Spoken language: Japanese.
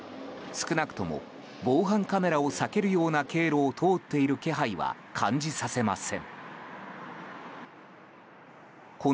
少なくとも防犯カメラを避けるような経路を通っている気配は感じさせません。